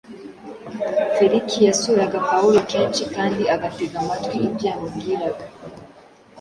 Feliki yasuraga Pawulo kenshi kandi agatega amatwi ibyo yamubwiraga.